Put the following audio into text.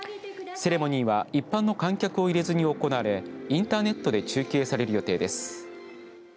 セレモニーは一般の観客を入れずに行われインターネットで中継される予定です。